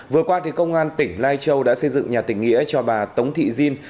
vừa qua công an tỉnh lai châu đã xây dựng nhà tỉnh nghĩa cho bà tống thị diên